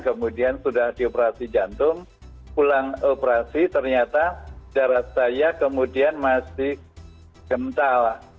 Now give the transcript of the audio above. kemudian sudah dioperasi jantung pulang operasi ternyata darah saya kemudian masih kental